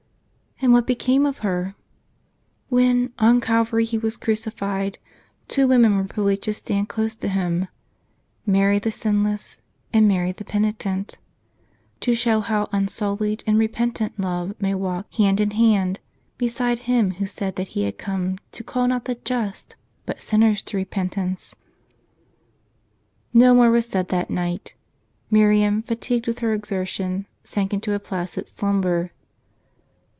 w " And what became of her ?" "When on Calvary He was crucified, two w^omen were privileged to stand close to Him ; Mary the sinless, and Mary the penitent : to show how unsullied and repentant love may walk hand in hand, beside Him who said that He had ' come to call not the just, but sinners to repentance.' " No more was said that night. Miriam, fatigued wdth her exertion, sank into a placid slumber.